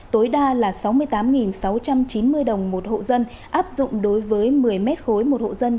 tối đa là sáu mươi tám sáu trăm chín mươi đồng một hộ dân áp dụng đối với một mươi m ba một hộ dân